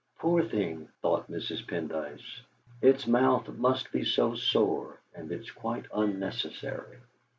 '.oor thing!' thought Mrs. Pendyce; 'its mouth must be so sore, and it's quite unnecessary.'